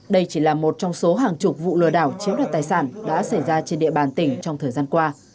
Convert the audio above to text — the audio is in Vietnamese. đây chỉ là một trong số hàng chục vụ lừa đảo chiếm đoạt tài sản đã xảy ra trên địa bàn tỉnh trong thời gian qua